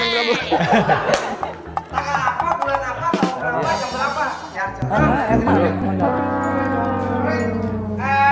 tanggal apa bulan apa tahun berapa jam berapa